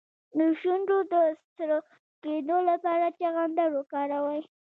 د شونډو د سره کیدو لپاره چغندر وکاروئ